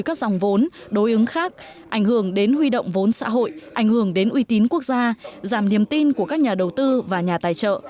các dòng vốn đối ứng khác ảnh hưởng đến huy động vốn xã hội ảnh hưởng đến uy tín quốc gia giảm niềm tin của các nhà đầu tư và nhà tài trợ